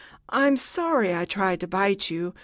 I'm sorry I tried to bite you.